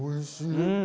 うん！